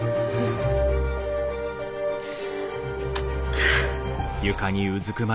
はあ。